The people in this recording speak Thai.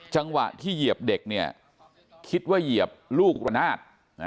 จังหวะที่เหยียบเด็กเนี่ยคิดว่าเหยียบลูกระนาด